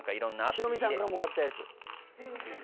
ヒロミさんからもらったやつ